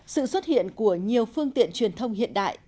sự xuất hiện của nhiều phương tiện truyền thông hiện đại